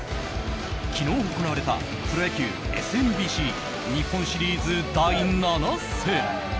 昨日、行われたプロ野球ＳＭＢＣ日本シリーズ第７戦。